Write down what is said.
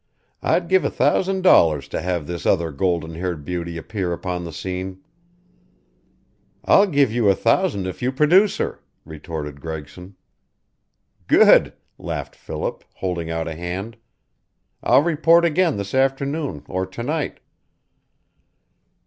I'd give a thousand dollars to have this other golden haired beauty appear upon the scene!" "I'll give a thousand if you produce her," retorted Gregson. "Good!" laughed Philip, holding out a hand. "I'll report again this afternoon or to night."